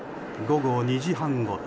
午後２時半ごろ。